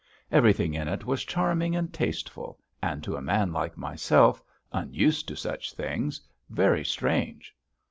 Everything in it was charming and tasteful, and to a man like myself, unused to such things, very strange.